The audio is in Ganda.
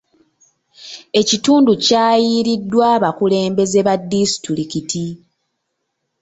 Ekitundu kyayiiriddwa abakulembeze ba disitulikiti.